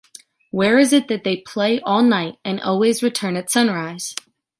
Where is it that they play all night and always return at sunrise?